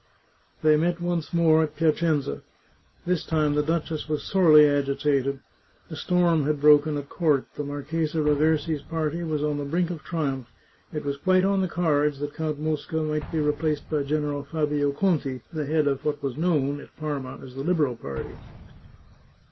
They met once more at Piacenza. This time the duchess was sorely agitated. A storm had broken at court. The Marchesa Raversi's party was on the brink of triumph ; it was quite on the cards that Count Mosca might be re placed by General Fabio Conti, the head of what was known at Parma as the Liberal party.